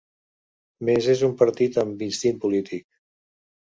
Més és un partit amb instint polític